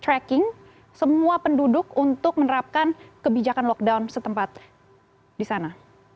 tracking semua penduduk untuk menerapkan kebijakan lockdown setempat di sana